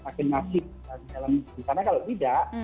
makin masif karena kalau tidak